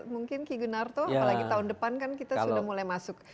mungkin ki gunarto apalagi tahun depan kan kita sudah mulai masuk